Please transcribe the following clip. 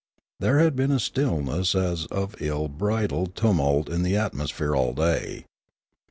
There had been a stillness as of ill bridled tumult in the atmosphere all day.